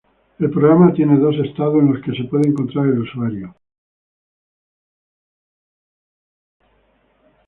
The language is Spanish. El programa tiene dos estados en los que se puede encontrar el usuario.